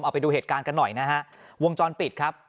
เอาไปดูเหตุการณ์กันหน่อยนะฮะวงจรปิดครับ